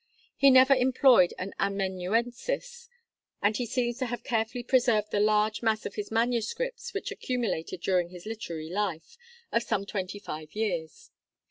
He never employed an amanuensis, and he seems to have carefully preserved the large mass of his manuscripts which accumulated during his literary life of some twenty five years.